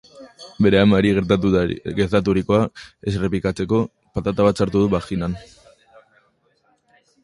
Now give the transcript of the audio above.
Bere amari gertaturikoa ez errepikatzeko patata bat sartuko du baginan.